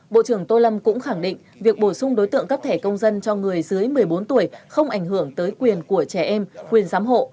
bộ trưởng tô lâm cũng khẳng định việc bổ sung đối tượng cấp thẻ công dân cho người dưới một mươi bốn tuổi không ảnh hưởng tới quyền của trẻ em quyền giám hộ